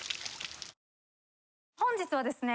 本日はですね